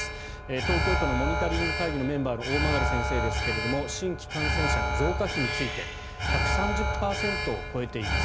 東京都のモニタリング会議のメンバーの大曲先生ですが新規感染者の増加比について１３０％を超えています。